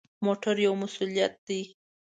موټر یو مسؤلیت دی.